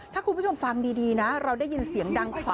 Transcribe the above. ถ้าคุณผู้ชมฟังดีนะเราได้ยินเสียงดังพลายปืนอยู่เลย